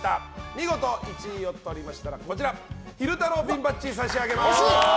見事１位を獲得されましたら昼太郎ピンバッジを差し上げます。